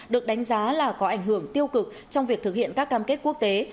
được đánh giá là có ảnh hưởng tiêu cực trong việc thực hiện các cam kết quốc tế